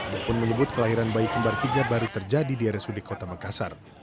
ia pun menyebut kelahiran bayi kembar tiga baru terjadi di rsud kota makassar